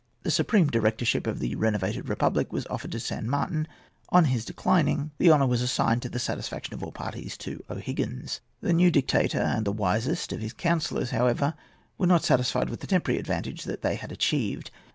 The supreme directorship of the renovated republic was offered to San Martin. On his declining the honour, it was assigned, to the satisfaction of all parties, to O'Higgins. The new dictator and the wisest of his counsellors, however, were not satisfied with the temporary advantage that they had achieved.